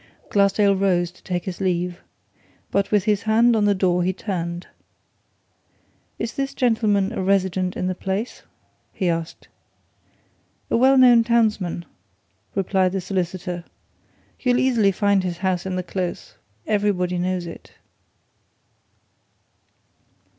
Glassdale rose to take his leave. But with his hand on the door he turned. "Is this gentleman a resident in the place?" he asked. "A well known townsman," replied the solicitor. "You'll easily find his house in the Close everybody knows it."